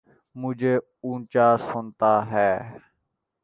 مجھے اونچا سنتا ہے